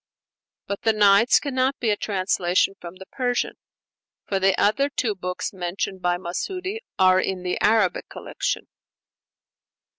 But the 'Nights' cannot be a translation from the Persian; for the other two books mentioned by Masudi are in the Arabic collection.